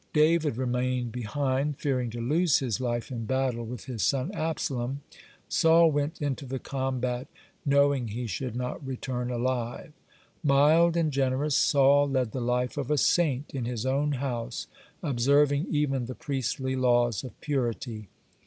David remained behind, fearing to lose his life in battle with his son Absalom; Saul went into the combat knowing he should not return alive. Mild and generous, Saul led the life of a saint in his own house, observing even the priestly laws of purity.